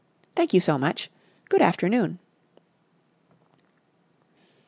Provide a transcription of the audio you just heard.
Thank you so much. Good afternoon."